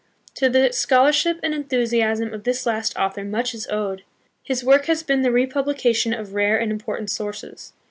To the scholarship and enthusiasm of this last author much is owed. His work has been the republication of rare and important sources.